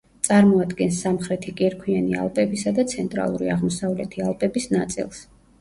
წარმოადგენს სამხრეთი კირქვიანი ალპებისა და ცენტრალური აღმოსავლეთი ალპების ნაწილს.